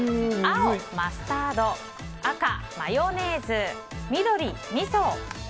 青、マスタード赤、マヨネーズ緑、みそ。